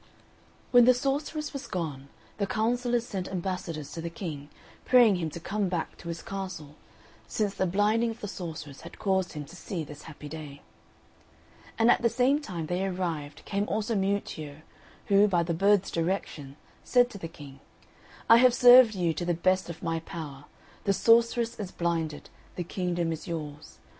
When the sorceress was gone, the councillors sent ambassadors to the King, praying him to come back to his castle, since the blinding of the sorceress had caused him to see this happy day. And at the same time they arrived came also Miuccio, who, by the bird's direction, said to the King, "I have served you to the best of my power; the sorceress is blinded, the kingdom is yours.